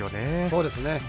そうですね。